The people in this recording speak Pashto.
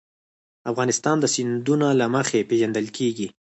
افغانستان د سیندونه له مخې پېژندل کېږي.